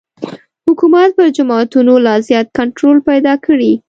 حکومت پر جوماتونو لا زیات کنټرول پیدا کړي.